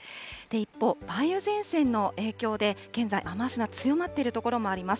一方、梅雨前線の影響で、現在、雨足が強まっている所もあります。